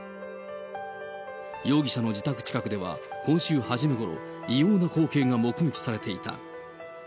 容疑者の自宅近くでは、今週初めごろ、異様な光景が目撃されていた。